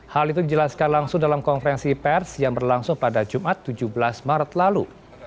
hal itu dijelaskan langsung dalam konferensi pers yang berlangsung pada jumat tujuh belas maret lalu